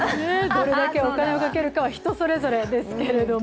どれだけお金をかけるのかは人それぞれですけれども。